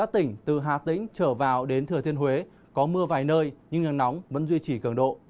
tỉnh từ hà tĩnh trở vào đến thừa thiên huế có mưa vài nơi nhưng nắng nóng vẫn duy trì cường độ